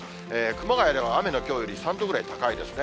熊谷では雨のきょうより３度ぐらい高いですね。